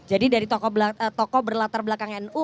jadi dari toko berlatar belakang nu